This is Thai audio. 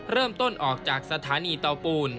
เริ่มต้นออกจากสถานีเตาปูน